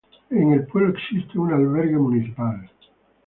En el pueblo existe un albergue municipal.